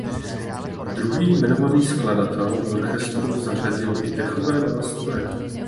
Druhý jmenovaný skladatel do orchestru zařadil i dechové nástroje.